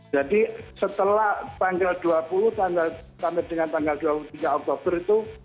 jadi setelah tanggal dua puluh sampai dengan tanggal dua puluh tiga oktober itu